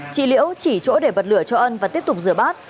chị liễu chỉ chỗ để bật lửa cho ân và tiếp tục rửa bát